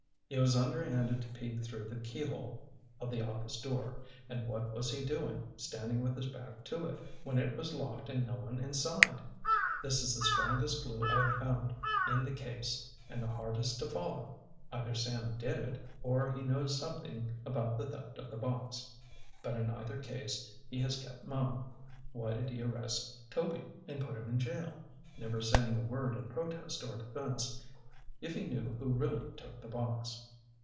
It was underhanded to peek through the keyhole of the office door; and what was he doing, standing with his back to it, when it was locked and no one inside? This is the strongest clew I have found in the case, and the hardest to follow. Either Sam did it, or he knows something about the theft of the box; but in either case he has kept mum. Why did he arrest Toby and put him in jail, never saying a word in protest or defense, if he knew who really took the box?